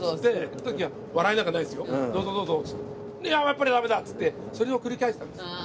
「やっぱりダメだ」っつってそれを繰り返してたんです。